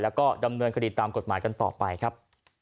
แล้วก็ดำเนินคดีตามกฎหมายกันต่อไปครับ